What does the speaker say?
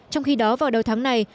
trong khi đó vào đầu tháng này